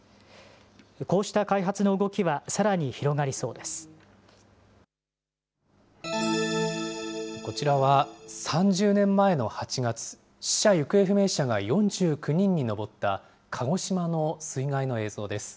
こうした開発の動きはさらに広がこちらは、３０年前の８月、死者・行方不明者が４９人に上った鹿児島の水害の映像です。